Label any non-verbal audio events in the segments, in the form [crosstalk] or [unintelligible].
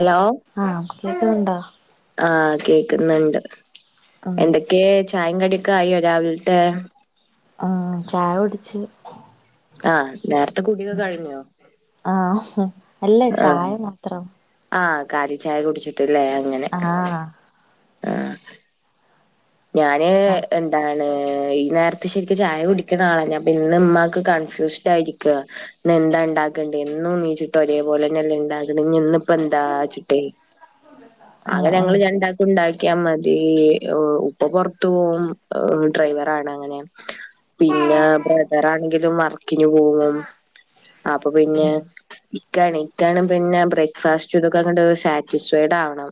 Hello ആഹ് കേക്ക്ണ്ടോ? ആഹ് കേക്ന്ന്ണ്ട് ഉം എന്തൊക്ക ക്കെ ചായിം കടിയൊക്കെ ആയോ രാവിൽത്തെ ആഹ് ചായഉട്ച്ച് ആഹ് നേരത്തെ കുടിയൊക്കെ കഴിഞ്ഞോ ആഹ് അല്ല ആഹ് ചായ മാത്രം. ആഹ് കാലി ചായ കുട്ച്ട്ട്ല്ലേ അങ്ങനെ ആഹ് ആഹ് ഞാന് ആഹ് എന്താ ഈ നേരത്ത് ശരിക്കും ചായ കുടിക്കണ ആ ഞാൻ പിന്നെ മ്മാക്ക് കൺഫ്യൂസ്ഡ് ആയിരിക്കാ ന്നെ ന്താ ണ്ടാക്കെണ്ടേ എന്നും നീച്ചിട്ട് ഒരേപോലെ ഞെല്ല ഇണ്ടാക്കണ് ഇഞ്ന്ന പ്പന്താ ച്ച്പ്പെയ് ആഹ് അങ്ങനെ ഞങ്ങള് ആഹ് രണ്ടാ ഉണ്ടാക്യാ മതി... ഓ ഉപ്പ പൊറ്ത്തോവും ഡ്രൈവറാണ് അങ്ങനെ പിന്നെ.. ബ്രദറാണെങ്കിലും വർക്കിനു പോകും അപ്പ് പിന്നെ ഉം എണിക്കാനും പിന്നെ ബ്രേക്ക്ഫാസ്റ്റും തൊക്കെ ങ്ങണ്ട് സാറ്റിസ്ഫൈഡാവണം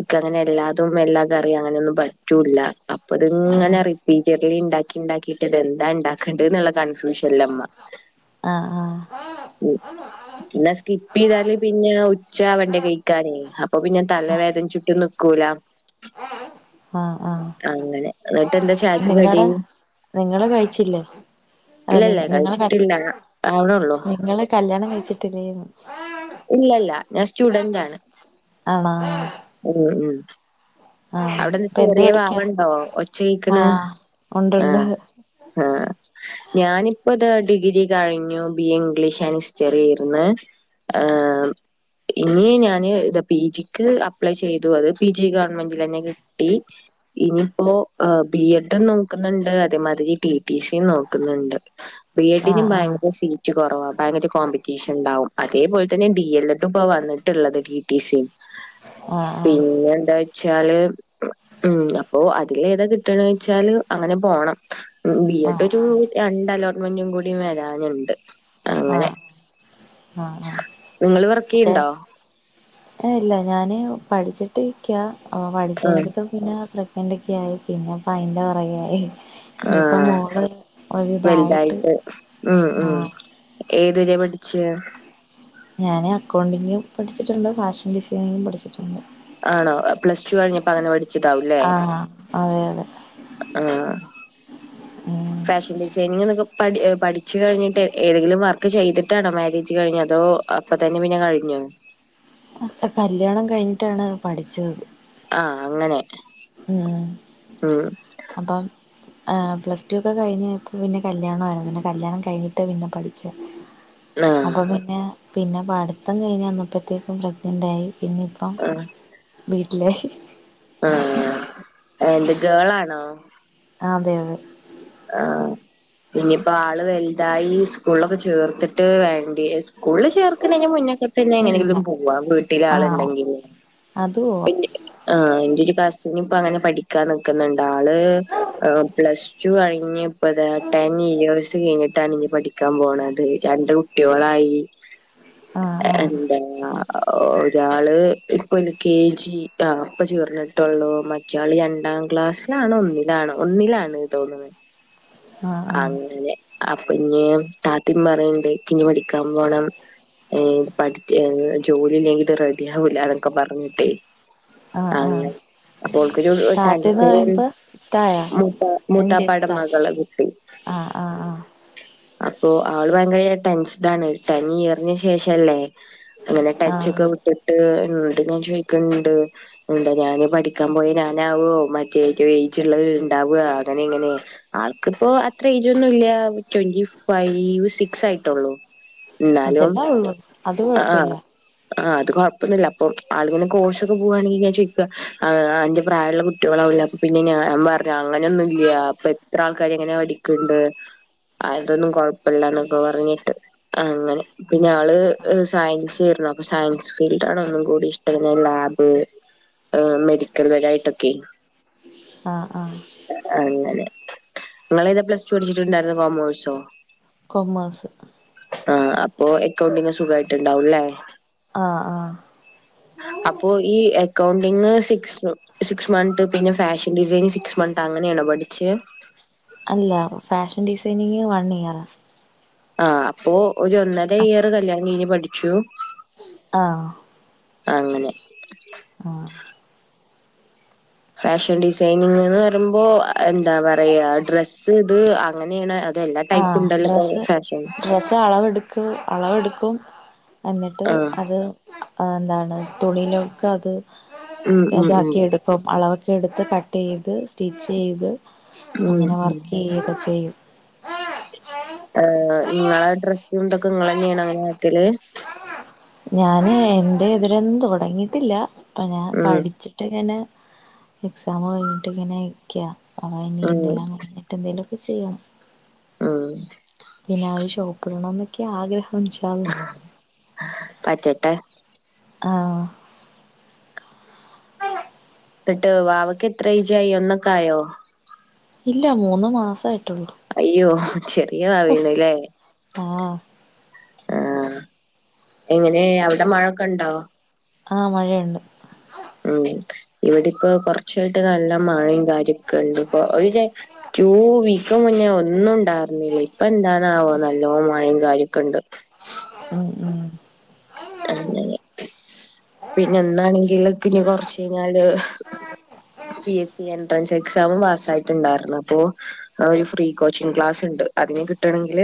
ഇക്ക്‌ അങ്ങനെ എല്ലാതും എല്ലാ കറി അങ്ങനൊന്നുംപ റ്റുല്ല അപ്പ ത് ആഹ് ങ്ങനെ റിപ്പിജെറ്ലി ണ്ടാക്കിണ്ടാക്കിട്ട് എന്താ ഇണ്ടാക്കണ്ട്ള്ള കൺഫ്യൂഷല്ലമ്മ ആആ ആഹ് ആഹ് ഉ പിന്നെ സ്കിപ്പിയ്താല് പിന്നെ ഉച്ചാ വേണ്ടേ കഴിക്കാന് അപ്പ പിന്നെ തലവേദന്ച്ചിട്ടും നിക്കൂല ആആഹ് അങ്ങനെ ന്നെട്ടെ ന്താ ചായക്ക്‌ കടി ങ്ങള് കഴിച്ചില്ലേ അല്ല നി ഇല്ലല്ല നിങ്ങള് കഴിച്ച്ട്ടില്ല ആവ്ണോള്ളൂ ക്കല്യാണം കഴിച്ചിട്ടില്ലേഏന്ന് ഇല്ലല്ല ഞാ സ്റ്റുഡന്റാണ് ആണാആാാ അതെ അതെ [unintelligible] അവ്ടെ ഇപ്പൊ എന്ത് പഠിക്കാ ചെറിയവാവണ്ടോ ഒച്ചേക്ണ് ആഹ് ഉണ്ട് ആ ഉണ്ട് ആ ഞാനിപ്പതാ ഡിഗ്രി കഴിഞ്ഞു ബിഎ ഇംഗ്ലീഷ് ൻ ഇസ്റ്ററിയേര്ന്ന് ആം [unintelligible] ഇനീ ഞാന് ഇതാ പീജിക്ക് അപ്ലൈ ചെയ്തു അത് പീജി ഗവൺമെന്റിലന്നെ കിട്ടി [unintelligible] ഇനിയിപ്പോ എ ബി എഡും നോക്കുന്ന്ണ്ട് അതേമാതിരി ടി ടി സിം നോക്ന്നുണ്ട് ബി എഡിനിം ആഹ് ആഹ് ഭയങ്കര സീ റ്റ് കൊറവ ഭയങ്കര കോമ്പറ്റീഷൻ ണ്ടാവും അതേപോൽതന്നെ ഡിയെല്ലഡും പ്പോ വന്നിട്ടുള്ളത് ടിടിസിം ആഹ് ആഹ് പിന്നെന്താച്ചാല് ഉം അപ്പോ അതില് ഏതാ കിട്ട്ന്നേച്ചാൽ അങ്ങനെ പൊണം ബി എട്ട് ആഹ് റ്റു രണ്ടലോട്ട്മെന്റും കൂടി വരാനുണ്ട് ആ അങ്ങനെ അ അ നിങ്ങള് വർകിയ്‌ണ്ടോ ഏ ഇല്ല ഞാന് പഠിച്ചിട്ടിരിക്ക അ പഠിച്ച് ആ കഴിഞ്ഞപ്പോ പിന്ന പ്രഗ്നന്റൊക്കെയായി പിന്നപയിന്റെ പൊറകെയായി [unintelligible] ആ വൽതായിട്ട് ഉം ഉം ആഹ് ഏത് ര്യ പഠിച്ചേ ഞാന് അക്കൗണ്ടിംഗ് പഠിച്ചിട്ടുണ്ട് ഫാഷൻ ഡിസൈനിങ്ങും പഠിച്ചിട്ടുണ്ട് ആണോ അ പ്ലസ് ടു കഴിഞ്ഞപ്പതന്നെ പഠിച്ചിട്ടാവൂല്ലേ ആഹ് അതെ അതെ ആഹ [inaudible] ഫാഷൻ ഡിസൈനിങ്ങനൊക്കെ പഠി എ പഠിച്ചു കഴിഞ്ഞിട്ട് എ ഏതെങ്കിലും വർക്ക് ചെയ്ത്ട്ടാണോ മാരേജ് കഴിഞ്ഞതോ പ്പൊ തന്നെ പിന്നെ കഴിഞ്ഞോ അ അ കല്ല്യാണം കഴിഞ്ഞിട്ടാണ് പഠിച്ചത് അ അങ്ങനെ ഉം ഉം അപ്പോ ആ പ്ലസ്ടു ഒക്കെ കഴിഞ്ഞപ്പോ പിന്നെ കല്യാണായിരുന്നു കല്യാണം കഴിഞ്ഞിട്ടാ പിന്നെ പഠിച്ചെ ആ അപ്പൊ പിന്നെ പിന്നെ പഠിത്തം കഴിഞ്ഞന്നപ്പോത്തേക്കും പ്രഗ്നന്റായി പിന്നെ അ ആ വീട്ടിലേ ആ എന്ത് ഗേളാണോ അ അതെയതെ ആഹ്‌ ഇനിയിപ്പോ ആള് വൽതായി ഇസ്കൂൾളൊക്കെ ചേർത്തിട്ട് വേണ്ടി ഇസ്കൂളിൽ ചേർക്കണേന് മുന്നൊക്കെ പിന്നെ ഇല്ല എങ്ങനെങ്കിലും പോവാ ആഹ് വീട്ടിലാളിണ്ടെങ്കില് അത് പോവാ ആ എന്റൊരു കസിനിപ്പങ്ങനെ പഠിക്കാൻ നിക്ക്ന്ന്ണ്ടാള് എ പ്ലസ് ടു കഴിഞ്ഞിപ്പതാ ട്ടെൻ ഇയസ് കഴിഞ്ഞിട്ടാനിനി പഠി ക്കാൻ പോണത് രണ്ട് കുട്ട്യോളായി എ ആഹ് എന്താ ഒരാള് ഇപ്പൊ കെ ജി ആ പ്പൊ ചേർന്നിട്ടുള്ളൂ മറ്റ്യാള് രണ്ടാം ക്ലാസ്സിലാണൊന്നി ലാണോ ഒന്നിലാണ് തോന്നുന്നത് ആഹ് ആഹ് അങ്ങനെ അപ്പൊ ഇനീം താത്തേം പറയണ്ട് ക്കിനീ പഠിക്കാൻ പോണം ഏ പഠിക്ക എ ജോലിയില്ലെങ്കിത് റെഡിയാവൂല്ല തൊക്കെ പറഞ്ഞിട്ടേ ആഹ് ആഹ് അങ്ങനെ ഓൾക്കൊരു താത്തന്ന് പറയുമ്പോ [unintelligible] ഇത്തായ മൂത്ത എന്റെ മൂത്താപ്പാടെ ഇത്ത മകള കുട്ടി ആഹ് അഹ് ആഹ് അപ്പൊ അവള് ഭയങ്കര ടെൻസ്ഡാണ് ടെൻ ഇയറിനു ശേഷല്ലേ അങ്ങനെ ആഹ് ടച്ചൊക്കെ ആഹ് വിട്ടിട്ട് എന്തിനാന്നു ചോദിക്കണ്ട് ഉണ്ട ഞാന് പഠിക്കാൻ പോയ ഞാനാവുവോ മറ്റേ ഏറ്റ ഏജ ഉുള്ളത് ഉണ്ടാവുക അങ്ങനെ ഇങ്ങനെ ആൾക്കിപ്പോ അത്ര ഏജ് ഒന്നൂല്ല ട്വന്റി ഫൈവ് സിക്സ് ആയിട്ടുള്ളൂ. എന്നാലും അതെല്ലാം ഉള്ളു അത് ആഹ് കൊഴപ്പില്ല ആഹ് അത് കുഴപ്പൊന്നുമില്ല അപ്പൊ ആളിങ്ങനെ കോഴ് ഒക്കെ പോവുകവാണെങ്കിൽ ഞാൻ ചോക്കുക അന്റെ പ്രായമുള്ള കുട്ടികളാവില്ല പിന്നെ ഞാൻ പറഞ്ഞ അങ്ങനെയൊന്നുംല്ല അപ്പൊ എത്ര ആൾക്കാരാ അങ്ങനെ പഠിക്കണ്ട് അതൊന്നും കുഴപ്പമില്ലന്നൊക്കെ പറഞ്ഞിട്ട് ആ അങ്ങനെ പിന്നെ യാള് സയൻസീർന്നു അപ്പൊ സയൻസ് ഫീൽഡാണ് ഒന്നും കൂടി ഇഷ്ടമ് ലാബ് അഹ മെഡിക്കൽ പരമായിട്ടൊക്കെ ആഹ് ആഹ് അങ്ങനെ നിങ്ങളേത് പ്ലസ് ടു പഠിച്ചിട്ടുണ്ടായിരുന്നു. കോമേഴ്സോ കൊമഴ്സ് അഹ അപ്പൊ എക്കൗണ്ടിങ് സുഖമായിട്ട്ണ്ടാവുംല്ലേ അഹ് അഹ് അപ്പോ ഈ അക്കൗണ്ടിങ് സിക്സ് സിക്സ് മന്ത് പിന്നെ ഫാഷൻ ഡിസൈൻ സിക്സ് മന്ത് അങ്ങനെ യാണൊപഠിച്ചെ അല്ല ഫാഷൻ ഡിസൈനിങ്ങ് വൺ ഇയറാ ആഹ അപ്പോ ഒരു ഒന്നര ഇയർ കല്യാണം കഴിഞ്ഞ് പഠിച്ചു ആഹ് അങ്ങനെ ആഹ് ഫാഷൻ ഡിസൈനിങ് എന്ന് പറയുമ്പോ എന്താ പറയാ ഡ്രസ്സ് ഇത് അങ്ങനെയാണ് അത് എല്ലാ ടൈപ്പ ഉണ്ടല്ലോ അ അളവെടുക്കും അളവെടുക്കും എന്നിട്ട് ആഹ് അത് അഹ എന്താണ് തുണിലൊക്ക് അത് ഉം ഉം ഉം ഇതാക്കി എടുക്കും ഇപ്പം അളവൊക്കെ എടുത്ത് കട്ട് ചെയ്ത് സ്റ്റിച്ച് ചെയ്ത് ഉം അങ്ങനെ ഉം വർക്ക് ചെയ്യൊക്കെ ചെയ്യും ആഹ് ആഹ നിങ്ങളെ ഡ്രസ്സണ്ടൊക്കെ നിങ്ങെ തന്നെയാണ് അങ്ങനെ ആക്കല് ഞാന് എന്റെ ഇതിലൊന്നും തുടങ്ങിയിട്ടില്ല ഇപ്പൊ ഞാൻ ഉം പഠിച്ചിട്ട് ഇങ്ങനെ എക്സാം കഴിഞ്ഞിട്ട് ഇങ്ങനെ ഇരിക്ക അ ഇനി ഉം ഇന്തെല്ലാം എന്തെങ്കിലുമൊക്കെ ചെയ്യണം ആഹ് പിന്നെ ഒര് ഷോപ്പിടണം എന്നൊക്കെയ ആഗ്രഹം ഇൻഷാല്ലാഹ് പറ്റട്ടെ ആഹ് ത്ത്ട്ട് വാവെക്ക് എത്ര എയ്ജായി ഒന്നൊക്കെ ആയോ? ഇല്ല മൂന്ന് മാസം ആയിട്ടൊള്ളു അയ്യോ ചെറിയ വാവയാണ് ലെ ആഹ് ആഹ് എങ്ങനെ അയുടെ മഴൊക്കെ ഇണ്ടോ? ആഹ് മഴ ഇണ്ട് ഉം ഇവിടെ ഇപ്പോ കൊർച്ചായിട്ട് നല്ല മഴിം കാര്യം ഒക്കെ ഇണ്ട് ഇപ്പൊ ഒര് ര ടൂ വീക്ക് മുന്നെ ഒന്നും ഇണ്ടാവെ വന്നീല്ലെയ് ഇപ്പ എന്താണാവോ നല്ലോം മഴിം കാര്യം ഒക്കെ ഇണ്ട്. ഉം ഉം അങ്ങനെ ആഹ് പിന്നെ ഇന്നാണെങ്കിൽ ഇക്ക് ഇഞ്ഞ് കൊർച്ചെഴ്ഞ്ഞാൽ P S C entrance exam പാസ്സായിട്ട് ഇണ്ടാർന്നു അപ്പോ ആഹ് ഒരു ഫ്രീ കോച്ചിങ് ക്ലാസ് ഉണ്ട് അതിന് കിട്ടണെങ്കിൽ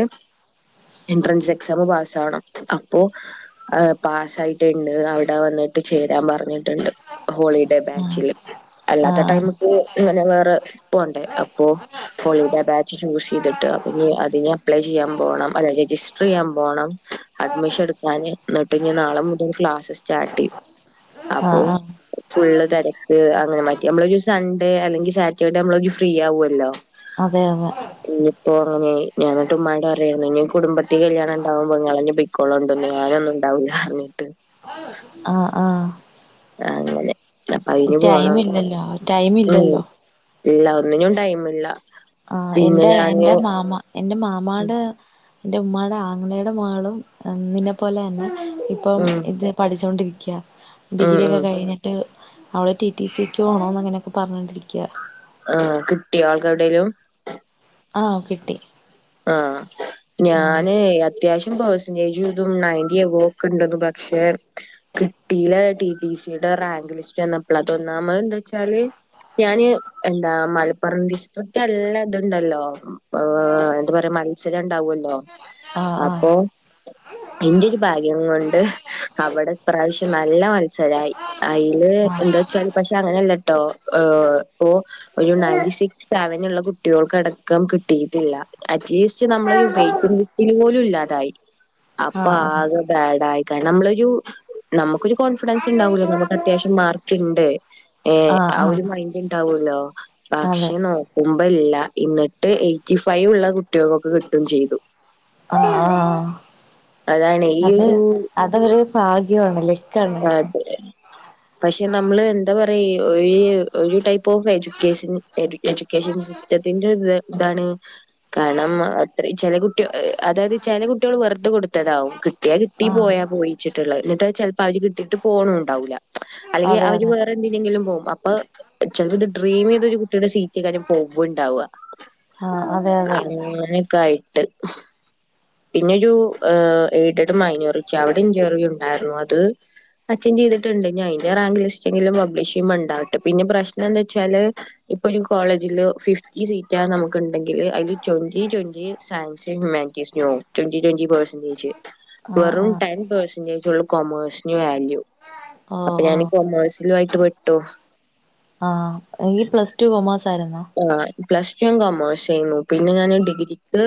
എൻട്രൻസ് എക്സാം പാസാവെണം അപ്പോ അഹ് പാസായിട്ട് ഇണ്ട് അവ്ടെ വന്നിട്ട് ചേരാൻ പർഞ്ഞിട്ട് ഇണ്ട് ഹോളിഡേ ബാച്ചില് ആഹ് അല്ലാത്ത ആഹ് ടൈമിക്ക് ഇങ്ങനെ വേറെ പോണ്ടേ അപ്പോ ഹോളിഡേ ബാച്ച് ചൂസ് ചെയ്ത്ട്ട് അപ്പ ഇഞ്ഞ് അതിന് അപ്ലൈ ചെയ്യാൻ പോണം അല്ലാ രജിസ്റ്റർ ചെയ്യാൻ പോണം അഡ്മിഷൻ ഇട്ക്കാന് ഇന്നെട്ട് ഇഞ്ഞ് നാളെ മുതെൽ ക്ലാസ്സ് സ്റ്റാർട്ട് ചെയ്യും അപ്പോ ആഹ് ഫുള്ള് തെരക്ക് അങ്ങനെ മാറ്റി നമ്മളൊരു സൺഡേ അല്ലെങ്കി സാറ്റെർഡേ നമ്മളൊരു ഫ്രീ ആവുല്ലോ അതെ അതെ ഇഞ്ഞ് ഇപ്പോ അങ്ങനെ ആയി ഞാൻ ഇങ്ങെട്ട് ഇമ്മനോട് പറിയാണ് ഇഞ്ഞ് കുടുംബത്തിൽ കല്യാണം ഇണ്ടാവുമ്പോ ഇങ്ങളെന്നെ പോയി ക്കോളൊണ്ടു ഇന്ന് ഞാനൊന്നും ഇണ്ടാവൂലാ പർൺട്ട് ആഹ് ആഹ് അങ്ങനെ അപ്പൊ അയിന് ടൈമ് പോണം. ഇല്ലല്ലോ? ടൈമ് ഇല്ലല്ലോ? ഇല്ലാ ഒന്നിനും ടൈമ് ഇല്ലാ ആഹ് എൻ്റെ എൻ്റെ മാമ എന്റെ മാമാടെ എന്റെ ഉമ്മാടെ ആങ്ങളെടെ മഹ്ളും നിന്നെ പോല തന്നെ ഇ പ്പം ഉം ഇത് പഠിച്ചോണ്ടിരിക്കാ ഉം ഡിഗ്രി ഉം ഒക്കെ കഴ്ഞ്ഞ്ട്ട് അവൾ ടി ടി സിക്ക് പോണംന്ന് അങ്ങനെയൊക്കെ പറഞ്ഞോണ്ടിരിക്കാ ആഹ് കിട്ടിയോ ആൾക്ക് എവ്ടെലും ആഹ് കിട്ടി ആഹ് ആഹ് ഞാനെയ് അത്യ ത്യാവശ്യം പേഴ്സ്ന്റേജും ഇതും നൈന്റി എബോവ് ഒക്കെ ഇണ്ടെന്നു പക്ഷെ കിട്ടിലാ ടി ടി സിയുടെ റാങ്ക് ലിസ്റ്റ് വന്നപ്പെൾ അത് ഒന്നാമെത് എന്താ വെച്ചാല് ഞാന് എന്താ മലപ്പുറം ഡിസ്ട്രിക്റ്റ് നല്ല ഇത് ഇണ്ടല്ലോ ഏഹ് അ ത് ഇവരെ മൻസ്സിൽ ഇണ്ടാവോല്ലോ ആഹ് അപ്പൊ ആഹ് എന്റൊരു ഭാഗ്യം കൊണ്ട് അവിടെ ഇപ്രാവശ്യം നല്ല മത്സരായി അയിൽ ആഹ് എന്താ ചോയിച്ചാൽ പക്ഷെ അങ്ങനെ അല്ലട്ടോ ഏഹ് ഇപ്പോ ഒരു നയന്റി സിക്സ് സവെനുള്ള കുട്ടിയോൾക്ക് അടക്കം കിട്ടിയിട്ട് ഇല്ല അറ്റ്ലീസ്റ്റ് നമ്മളൊരു വെയിറ്റിംഗ് ലിസ്റ്റിൽ പോലും ഇല്ലാതായി അപ്പ ആഹ് ആകെ സാഡായി കാരണം നമ്മളൊരു നമ്മക്കൊരു കോൺഫിഡെൻസ് ഇണ്ടാവോല്ലോ നമ്മുക്ക് ആഹ് അത്യാവശ്യം മാർക്ക് ഇണ്ട് ഏഹ് ആഹ് ഒരു മൈന്റ് ഇണ്ടാവോല്ലോ അതെ പക്ഷെ നോ ക്കുമ്പം ഇല്ല ഇന്നെട്ട് എയ്റ്റി ഫൈവ് ഇള്ള കുട്ടിയാൾക്കൊക്കെ കിട്ടും ചെയ്തു ആഹ് ആഹ് അതാണെയ് ഈ അത് ഒരു അതൊരു ഭാഗ്യവാണ് ലക്കാണ് അതെലെ പക്ഷെ നമ്മെൾ എന്താ പറയാ ഈ ഒഴിഴ് ഒരു ടൈപ്പ് ഓഫ് എഡ്യൂക്കേഷൻ എഡ്യൂക്കേഷൻ സിസ് സിസ്റ്റത്തിന്റെ ര് ഇതാണ് കാരണം അത്ര ചെല കുട്ടി അതായത് ചെല കുട്ടിയോള് വെറുതെ കൊടുത്തതാകും കിട്ടിയാ കിട്ടി ആഹ് പോയാ പോയിച്ചിട്ടുള്ള എന്നിട്ട് ചെൽപ്പോ അതിന് കിട്ടിട്ട് പോണം ഉണ്ടാവൂല്ല അല്ലെങ്കി അതെ അവര് അതെ വേ എന്തിനെങ്കിലും പോകും അപ്പ ചെലപ്പത് ഡ്രീം ചെയ്തൊരു കുട്ടിയുടെ സീറ്റ് കാരം പോവുമ്പോണ്ടാവുക ആഹ് അതെ അതെ അങ്ങനെക്കെ ആയിട്ട് പിന്നൊരു എയ്ഡഡ് മൈനോറിറ്റി അവിടെ ഇൻറർവ്യൂ ഉണ്ടായിരുന്നു അത് അറ്റൻ്റ് ചെയ്തിട്ടുണ്ട് അയ്ന്റെ റാങ്ക് ലിസ്റ്റെങ്കിലും പബ്ലിഷ് ചെയ്യുംപ ണ്ടാവട്ടെ പിന്നെ പ്രശ്നന്ന് വെച്ചാല് ഇപ്പൊരു കോളേജില് ഫിഫ്റ്റി സീറ്റാ നമുക്ക് ഇണ്ടെങ്കില് അതില് twenty twenty science humanities twenty twenty percentage ആഹ് വെറും ആഹ് ടെൻ പേർസന്റേജ് ഒള്ളു കോമേഴ്സിന് വാല്യൂ അപ്പൊ ഓഹ് ഞാന് ഓഹ് കൊമേഴ്സിലു ആയിട്ട് പെട്ടു ആഹ് ങ്കി പ്ലസ് ടു കൊമേഴ്സ് ആരുന്നോ ആഹ് പ്ലസ്ടു കൊമേഴ്സേന്നു പിന്നെ ഞാൻ ഡിഗ്രിക്ക്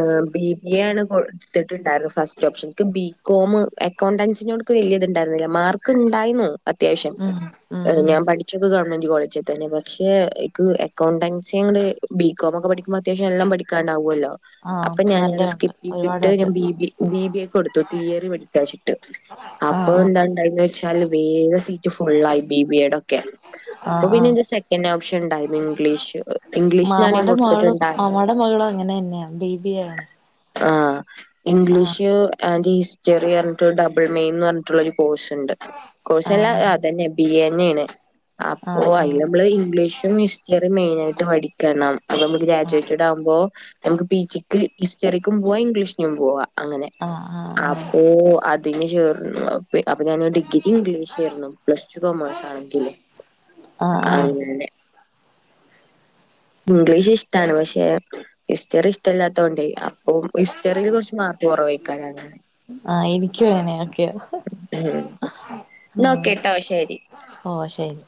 ഏഹ് ബി ബി യാണ് കൊട് ത്തിട്ട്ണ്ടാരുന്നു ഫസ്റ്റ് ഓപ്ഷൻ ക്ക് ബികോമ് അക്കൗണ്ടൻസിനോട്ക്ക് വെല്ല്യത്ണ്ടാരുന്നില്ല മാർക്ക്ണ്ടായ്നു. അത്യാവിശ്യം ഉം ഉം ഉം ഞാൻ പഠിച്ചത് ഗവൺമെന്റ് കോളേജി തന്നെയാ പക്ഷേ ക്ക്‌ അക്കൗണ്ടൻസിങ്ങട് ബി കോമൊക്കെ പഠിക്കുമ്പ അത്യാവിശ്യം എല്ലാം പഠിക്കാണ്ടാവൊല്ലോ. ആഹ് അപ്പ ഞാനത് നല്ലയുണ്ട് സ്കിപ്പെയ്തിട്ട് ഒരുപാടുണ്ട് ഞാൻ ബി ബി ബി ബി യെക്കൊടുത്തു തിയറി പഠിക്കാച്ചിട്ട് ആഹ് ആഹ് അപ്പന്താണ്ടായെന്നോ ച്ചാല് വേം സീറ്റ് ഫുള്ളായി ബി ബിയോ ടൊക്കെ ആഹ് ആഹ് അപ്പപ്പിന്നെന്റെ സെക്കൻഡ് ഓപ്ഷൻണ്ടായി ന്നിഗ്ലിഷ് ഒ മാമാടെ മാളും മാമാടെ മകളുങ്ങനെന്നെയ ബി ബിയാണ്. ആഹ് ഇംഗ്ലീഷ് ആന്റ് ഹിസ്റ്ററി അറിഞ്ഞിട്ടൊരു ഡബിൾ മെയിൻന്ന് പറഞ്ഞിട്ടൊള്ളൊരു കോഴ്സ്ണ്ട് ആഹ് കോഴ്സെല്ലാതന്നെ ബിയന്നെണ് അപ്പോ ആഹ് ആഹ് അയിലമ്മള് ഇംഗ്ലീഷും ഹിസ് റ്ററി മെയിനായിട്ട് പഠിക്കണം അപ്പമ്മക്ക്‌ ഗ്രാജുവേറ്റഡ് ആവുമ്പോ നമുക്ക് പി ജി ക്ക് ഹിസ്റ്ററിക്കും പൂവാ ഇംഗ്ലീഷിനും പൂവാ അങ്ങനെ. ആഹ് ആഹ് ആഹ് അപ്പൊ അതിന് ചേർന്നു അപ്പ അപ്പ ഞാന് ഡിഗ്രി ഇംഗ്ലീഷായിരുന്നു. പ്ലസ് ടു കോമേഴ്സാണെങ്കിലും ആഹ് ആഹ് ആഹ് അങ്ങനെ. ഇംഗ്ലീഷിഷ്ടാണ് പക്ഷെ ഹിസ്റ്ററി ഇഷ്ടല്ലാത്തോണ്ടേ അപ്പോം ഹിസ്റ്ററിൽ കൊറച്ച് മാർക്ക്‌ കൊറവായ്ക്കാ അങ്ങനെ ആ എനിക്കുങ്ങനെക്കെയ. ന്നോക്കേട്ടോ ശെരി. ഓ ശെരി.